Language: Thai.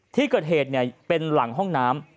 ที่เกิดเหตุเป็นหลังห้องน้ำ